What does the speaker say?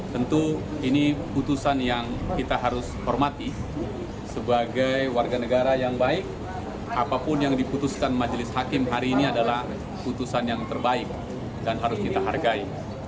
tentu ini putusan yang kita harus hormati sebagai warga negara yang baik apapun yang diputuskan majelis hakim hari ini adalah putusan yang terbaik dan harus kita hargai